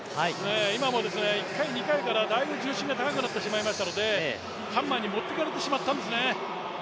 今も１回、２回からだいぶ重心が高くなってしまいましたので、ハンマーに持っていかれてしまったんですね。